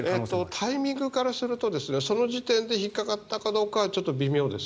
タイミングからするとその時点で引っかかったかどうかはちょっと微妙です。